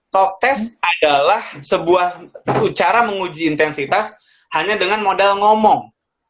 talk test adalah sebuah cara menguji intensitas hanya dengan modal ngomong